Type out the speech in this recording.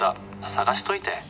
「捜しといて」